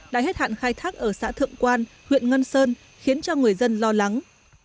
đã hết hạn khai thác ở xã thượng quan huyện ngân sơn khiến cho người dân lo lắng